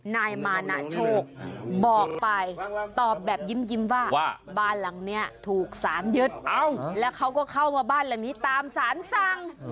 นายมานะโชคบอกไปตอบแบบยิ้มว่าบ้านหลังนี้ถูกสารยึดแล้วเขาก็เข้ามาบ้านหลังนี้ตามสารสั่ง